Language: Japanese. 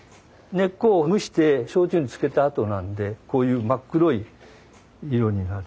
根っこを蒸して焼酎に漬けたあとなんでこういう真っ黒い色になる。